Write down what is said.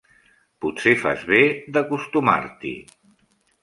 Potser fas bé d'acostumar-t'hi.